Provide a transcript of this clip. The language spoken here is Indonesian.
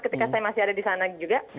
ketika saya masih ada di sana juga